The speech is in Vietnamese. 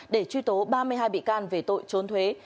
để truy tố ba mươi hai bị can về tội trốn thuế